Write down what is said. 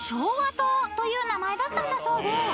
［という名前だったんだそうで］